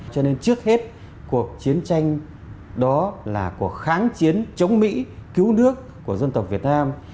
cho nên trước hết cuộc chiến tranh đó là cuộc kháng chiến chống mỹ cứu nước của dân tộc việt nam